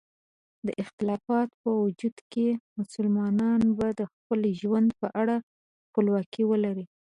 د خلافت په وجود کې، مسلمانان به د خپل ژوند په اړه خپلواکي ولري.